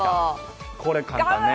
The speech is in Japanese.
これ、簡単ね。